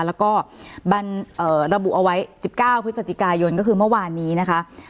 แล้วก็ระบุเอาไว้๑๙พฤศจิกายนก็คือเมื่อวานนี้นะคะ